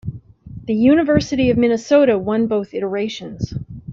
The University of Minnesota won both iterations.